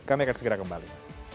kami akan segera kembali